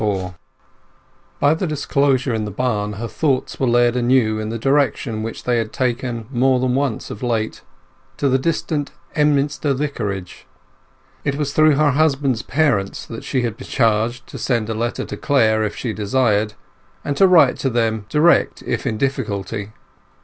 XLIV By the disclosure in the barn her thoughts were led anew in the direction which they had taken more than once of late—to the distant Emminster Vicarage. It was through her husband's parents that she had been charged to send a letter to Clare if she desired; and to write to them direct if in difficulty.